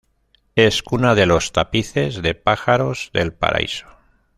Es cuna de los tapices de Pájaros del Paraíso.